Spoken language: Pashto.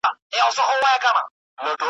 چا غړومبی ورته کاوه چا اتڼونه .